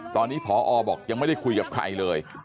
ตอนนี้พอบอกยังไม่ได้คุยกับใครเลย